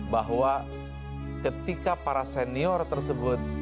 bahwa ketika para senior tersebut